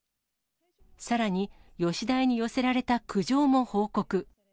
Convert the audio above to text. さらに、吉田屋に寄せられた苦情も報告。